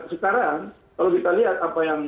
sekarang kalau kita lihat apa yang